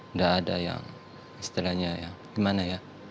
nggak ada yang istilahnya ya gimana ya